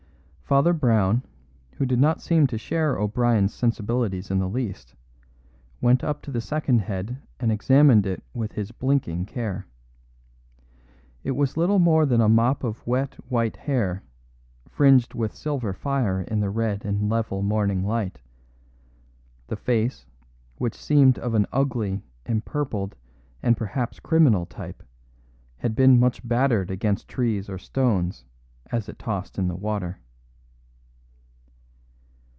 Father Brown, who did not seem to share O'Brien's sensibilities in the least, went up to the second head and examined it with his blinking care. It was little more than a mop of wet white hair, fringed with silver fire in the red and level morning light; the face, which seemed of an ugly, empurpled and perhaps criminal type, had been much battered against trees or stones as it tossed in the water.